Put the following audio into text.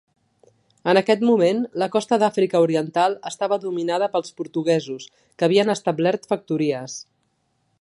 En aquest moment, la costa d'Àfrica Oriental estava dominada pels portuguesos, que havien establert factories.